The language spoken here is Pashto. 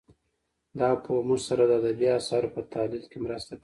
دا پوهه موږ سره د ادبي اثارو په تحلیل کې مرسته کوي